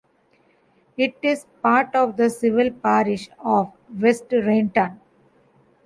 It is part of the civil parish of West Rainton.